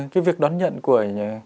cái việc đón nhận của